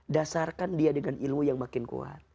dasarkan dia dengan ilmu yang makin kuat